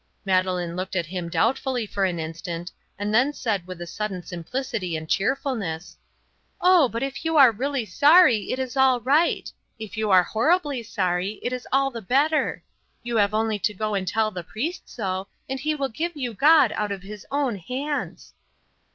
Madeleine looked at him doubtfully for an instant, and then said with a sudden simplicity and cheerfulness: "Oh, but if you are really sorry it is all right. If you are horribly sorry it is all the better. You have only to go and tell the priest so and he will give you God out of his own hands."